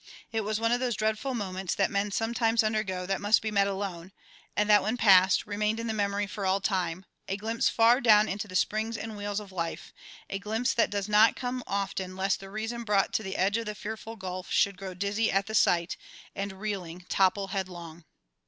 It was one of those dreadful moments that men sometimes undergo that must be met alone, and that when past, remain in the memory for all time; a glimpse far down into the springs and wheels of life; a glimpse that does not come often lest the reason brought to the edge of the fearful gulf should grow dizzy at the sight, and reeling, topple headlong.